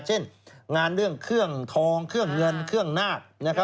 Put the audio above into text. เช่นงานเรื่องเครื่องทองเครื่องเงินเครื่องนาค